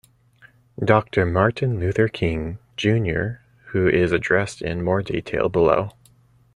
Doctor Martin Luther King, Junior who is addressed in more detail below.